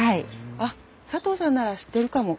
あっ佐藤さんなら知ってるかも。